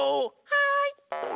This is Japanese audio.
はい。